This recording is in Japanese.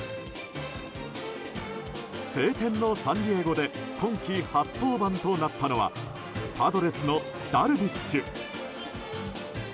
晴天のサンディエゴで今季初登板となったのはパドレスのダルビッシュ。